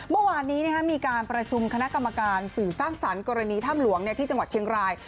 เมื่อวานนี้มีการประชุมคณะกรรมการสื่อสร้างสรรค์กรณีถ้ำหลวงที่จังหวัดเชียงราย